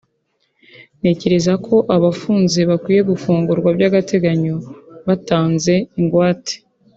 ntekereza ko abafunze bakwiye gufungurwa by’agateganyo batanze ingwate